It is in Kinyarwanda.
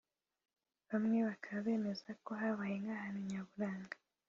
bamwe bakaba bemeza ko habaye nk’ahantu Nyaburanga